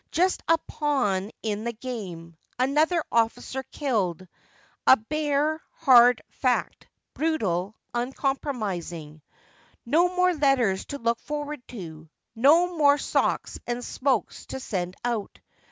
Just a pawn in the game — another officer killed — a bare, hard fact, brutal, uncompromising. No more letters to look forward to : no more socks and smokes to send out.